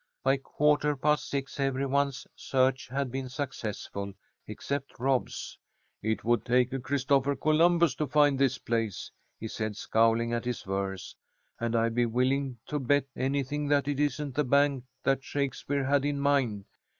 By quarter past six every one's search had been successful except Rob's. "It would take a Christopher Columbus to find this place," he said, scowling at his verse. "And I'd be willing to bet anything that it isn't the bank that Shakespeare had in mind.